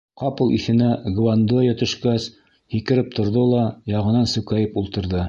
Ҡапыл иҫенә Гвандоя төшкәс, һикереп торҙо ла яңынан сүкәйеп ултырҙы.